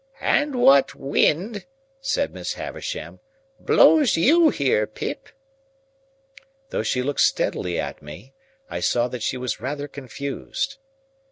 "And what wind," said Miss Havisham, "blows you here, Pip?" Though she looked steadily at me, I saw that she was rather confused.